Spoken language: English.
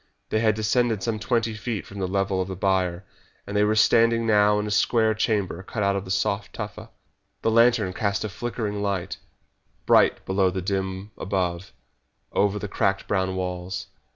They had descended some twenty feet from the level of the byre, and they were standing now in a square chamber cut out of the soft tufa. The lantern cast a flickering light, bright below and dim above, over the cracked brown walls.